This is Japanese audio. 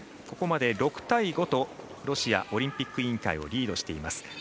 ここまで、６対５とロシアオリンピック委員会をリードしています。